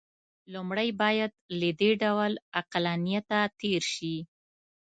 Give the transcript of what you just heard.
لومړی باید له دې ډول عقلانیته تېر شي.